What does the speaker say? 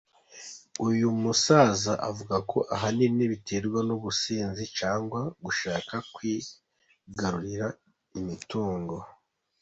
Uyu musaza avuga ko ahanini biterwa n’ubusinzi cyangwa gushaka kwigarurira imitungo.